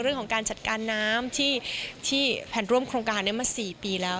เรื่องของการจัดการน้ำที่แผนร่วมโครงการนี้มา๔ปีแล้ว